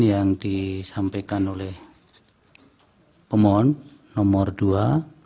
yang disampaikan oleh pemohon nomor dua